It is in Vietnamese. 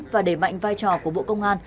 và đề mạnh vai trò của bộ công an